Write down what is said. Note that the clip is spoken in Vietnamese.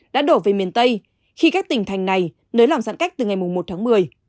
đã đổ về miền tây khi các tỉnh thành này nới lỏng giãn cách từ ngày một tháng một mươi